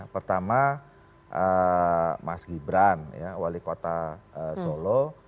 pertama mas gibran ya wali kota solo